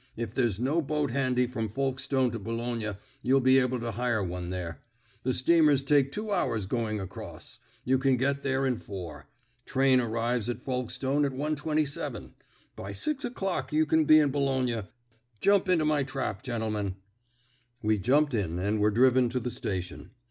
If there's no boat handy from Folkestone to Boulogne, you'll be able to hire one there. The steamers take two hours going across. You can get there in four. Train arrives at Folkestone at 1.27. By six o'clock you can be in Boulogne. Jump into my trap, gentlemen." We jumped in, and were driven to the station.